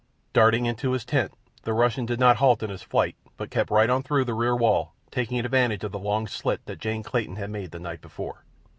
Darting into his tent, the Russian did not halt in his flight, but kept right on through the rear wall, taking advantage of the long slit that Jane Clayton had made the night before.